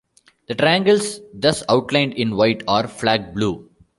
The triangles thus outlined in white are flag blue.